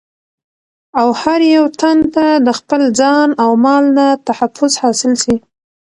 او هر يو تن ته دخپل ځان او مال نه تحفظ حاصل سي